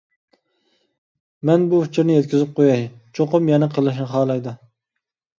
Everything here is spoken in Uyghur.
مەن بۇ ئۇچۇرنى يەتكۈزۈپ قوياي، چوقۇم يەنە قىلىشنى خالايدۇ.